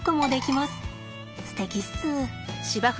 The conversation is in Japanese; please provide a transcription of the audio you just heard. すてきっす。